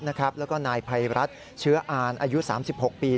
แล้วก็นายภัยรัฐเชื้ออานอายุ๓๖ปี